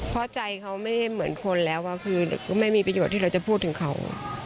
เพราะใจเขาไม่ได้เหมือนคนแล้วคือก็ไม่มีประโยชน์ที่เราจะพูดถึงเขา